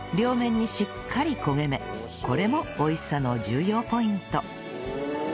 これも美味しさの重要ポイント